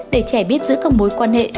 để trẻ biết giữ các mối quan hệ